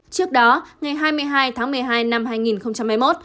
trước đó ngày hai mươi hai tháng một mươi hai năm hai nghìn hai mươi một